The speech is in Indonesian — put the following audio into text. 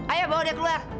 ayo bawa dia keluar